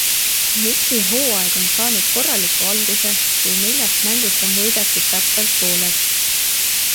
Knicksi hooaeg on saanud korraliku alguse, kui neljast mängust on võidetud täpselt pooled.